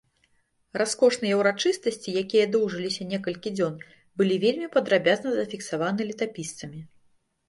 Раскошныя ўрачыстасці, якія доўжыліся некалькі дзён, былі вельмі падрабязна зафіксаваны летапісцамі.